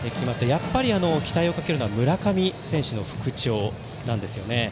やっぱり期待をかけるのは村上選手の復調なんですよね。